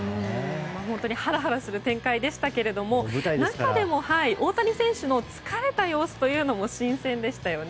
ハラハラする展開でしたが中でも大谷選手の疲れた様子というのも新鮮でしたよね。